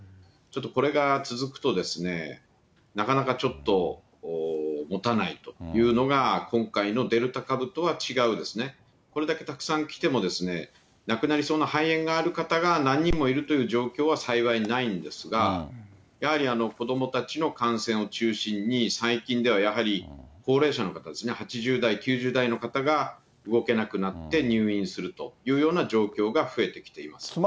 ちょっとこれが続くと、なかなかちょっと、もたないというのが今回のデルタ株とは違う、これだけたくさん来ても、亡くなりそうな肺炎がある方が何人もいるという状況は幸いにないんですが、やはり子どもたちの感染を中心に最近ではやはり高齢者の方ですね、８０代、９０代の方が動けなくなって、入院するというような状況が増えてきています。